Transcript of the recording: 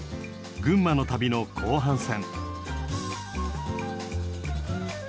群馬の旅の後半戦。